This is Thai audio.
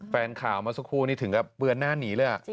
แฟนข่าวมาสักครู่นี่ถึงกับเบือนหน้าหนีเลย